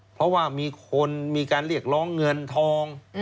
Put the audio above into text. เพราะว่ามีคนเรียกร้องค์เงินทอง